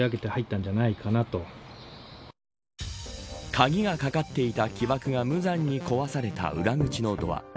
鍵がかかっていた木枠が無残に壊された裏口のドア。